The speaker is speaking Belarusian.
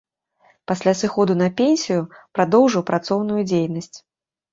Пасля сыходу на пенсію, прадоўжыў працоўную дзейнасць.